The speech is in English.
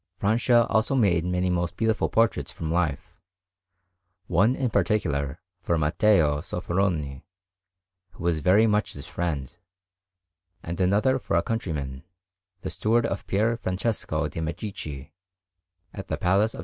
Francia also made many most beautiful portraits from life; one, in particular, for Matteo Sofferroni, who was very much his friend, and another for a countryman, the steward of Pier Francesco de' Medici at the Palace of S.